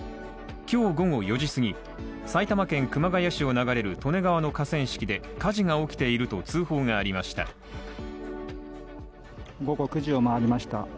今日午後４時すぎ、埼玉県熊谷市を流れる利根川の河川敷で火事が起きていると通報がありました。